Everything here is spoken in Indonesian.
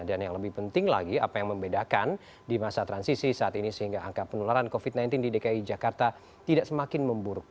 dan yang lebih penting lagi apa yang membedakan di masa transisi saat ini sehingga angka penularan covid sembilan belas di dki jakarta tidak semakin memburuk